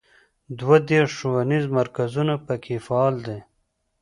دوه دیرش ښوونیز مرکزونه په کې فعال دي.